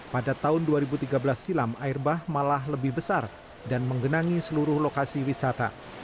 pada tahun dua ribu tiga belas silam air bah malah lebih besar dan menggenangi seluruh lokasi wisata